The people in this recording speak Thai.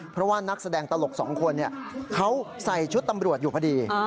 เพราะว่านักแสดงตลกสองคนเขาใส่ชุดตำรวจอยู่พอดี